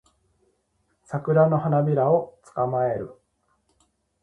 サクラの花びらを捕まえる